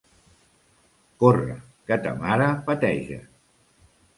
Corre, que ta mare peteja.